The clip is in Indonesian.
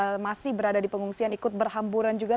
yang masih berada di pengungsian ikut berhamburan juga